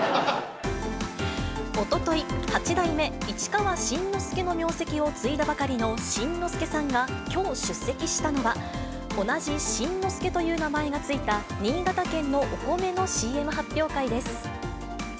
おととい、八代目市川新之助の名跡を継いだばかりの新之助さんが、きょう出席したのは、同じ新之助という名前が付いた、新潟県のお米のＣＭ発表会です。